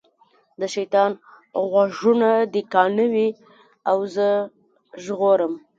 د شیطان غوږونه دي کاڼه وي او زه ژغورم.